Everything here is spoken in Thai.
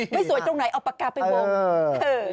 สวยตรงไหนเอาปากกาไปวง